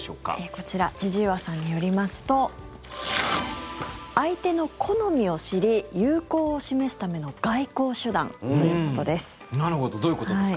こちら千々岩さんによりますと相手の好みを知り友好を示すための外交手段ということです。